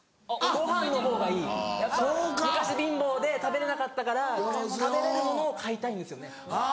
ご飯の方がいいやっぱ昔貧乏で食べれなかったから食べれるものを買いたいんですよね。